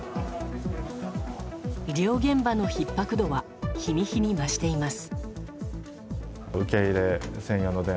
医療現場のひっ迫度は日に日に増しています。